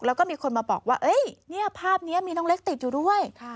แล้วก็มีคนมาบอกว่าภาพนี้มีน้องเล็กติดอยู่ด้วย